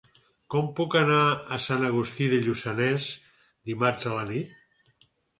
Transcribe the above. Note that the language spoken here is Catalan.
Com puc anar a Sant Agustí de Lluçanès dimarts a la nit?